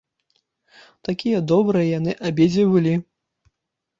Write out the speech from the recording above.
Такія добрыя яны абедзве былі!